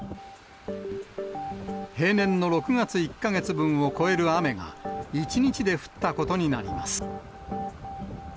平年の６月１か月分を超える雨が１日で降ったことになります。